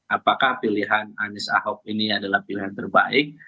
apakah pilihan anies ahok ini adalah pilihan terbaik